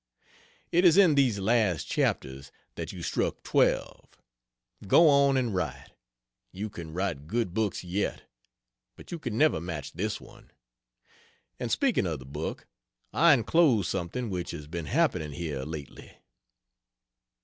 It is in these last chapters that you struck twelve. Go on and write; you can write good books yet, but you can never match this one. And speaking of the book, I inclose something which has been happening here lately.